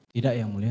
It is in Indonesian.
tidak ya mulia